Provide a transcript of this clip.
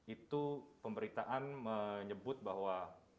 itu pemberitaan menyebut bahwa